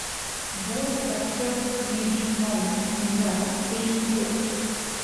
Both structures may be found in the same fort.